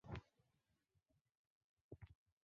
Později se tu usadila i skupina Židů z Uruguaye.